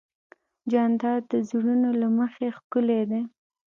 جانداد د زړونو له مخې ښکلی دی.